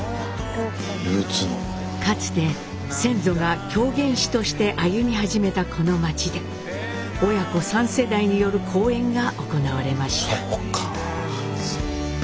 かつて先祖が狂言師として歩み始めたこの町で親子３世代による公演が行われました。